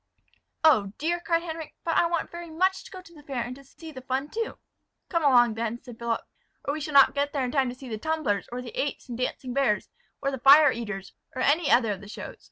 "Oh, dear!" cried Henric, "but I want very much to go to the fair, and see the fun too." "Come along then," said Philip; "or we shall not get there in time to see the tumblers, or the apes and dancing bears, or the fire eaters, or any other of the shows."